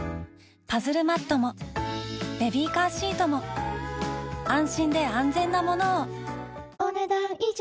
パズルマットもベビーカーシートも安心で安全なものをお、ねだん以上。